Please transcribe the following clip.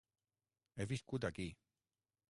He viscut aquí.